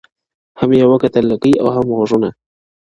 هم یې وکتل لکۍ او هم غوږونه -